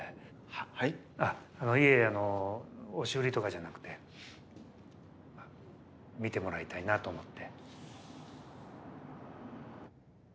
えあの押し売りとかじゃなくて見てもらいたいなと思って。